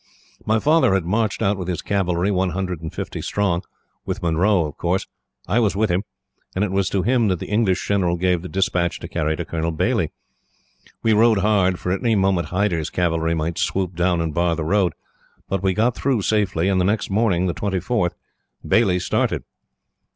"My father had marched out with his cavalry, one hundred and fifty strong, with Munro. Of course, I was with him, and it was to him that the English general gave the despatch to carry to Colonel Baillie. We rode hard, for at any moment Hyder's cavalry might swoop down and bar the road; but we got through safely, and the next morning, the 24th, Baillie started.